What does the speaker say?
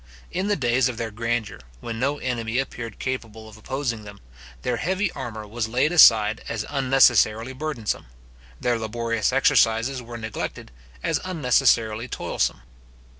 In the days of their grandeur, when no enemy appeared capable of opposing them, their heavy armour was laid aside as unnecessarily burdensome, their laborious exercises were neglected, as unnecessarily toilsome.